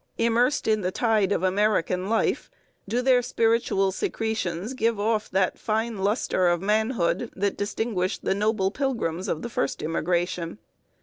Immersed in the tide of American life, do their spiritual secretions give off that fine lustre of manhood that distinguished the noble Pilgrims of the first immigration?